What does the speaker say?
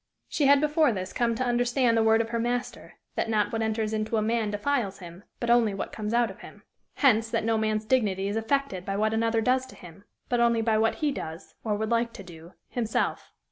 She had before this come to understand the word of her Master, that not what enters into a man defiles him, but only what comes out of him; hence, that no man's dignity is affected by what another does to him, but only by what he does, or would like to do, himself.